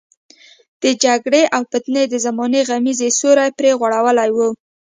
د جګړې او فتنې د زمانې غمیزې سیوری پرې غوړولی وو.